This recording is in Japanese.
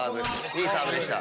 いいサーブでした。